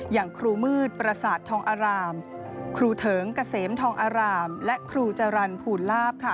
อย่างครูมืดประสาททองอารามครูเถิงเกษมทองอารามและครูจรรย์ภูลาภค่ะ